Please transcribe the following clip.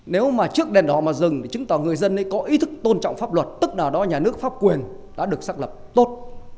nếu mà trước đèn đỏ mà dừng thì chứng tỏ người dân có ý thức tôn trọng pháp luật tức nào đó nhà nước pháp quyền đã được xác lập tốt